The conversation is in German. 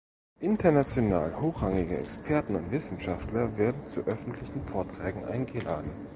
International hochrangige Experten und Wissenschaftler werden zu öffentlichen Vorträgen eingeladen.